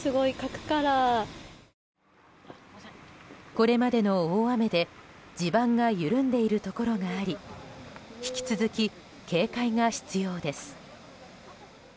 これまでの大雨で地盤が緩んでいるところがあり引き続き警戒が必要です。